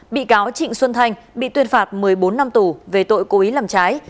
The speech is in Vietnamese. bị cáo trịnh xuân thanh bị tuyên phạt một mươi bốn năm tù về tội cố ý làm trái